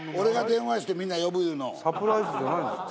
サプライズじゃないんですか？